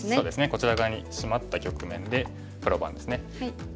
こちら側にシマった局面で黒番ですね。